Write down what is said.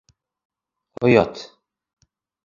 Оят!